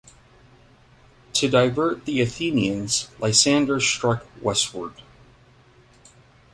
To divert the Athenians, Lysander struck westward.